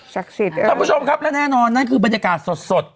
ศักดิ์สิทธิ์ท่านผู้ชมครับและแน่นอนนั่นคือบรรยากาศสด